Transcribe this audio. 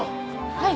はい。